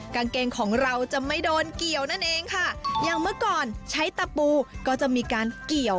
บางทีก็ใช้ตัวนี้ช่วย